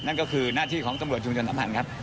นั่นก็คือหน้าที่ของตำรวจจุงจนตำรวจครับ